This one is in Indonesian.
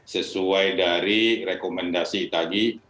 sesuai dari rekomendasi tadi